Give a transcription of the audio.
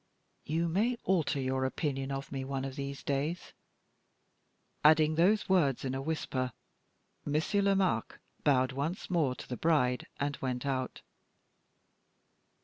"You may alter your opinion of me one of these days." Adding those words in a whisper, Monsieur Lomaque bowed once more to the bride and went out.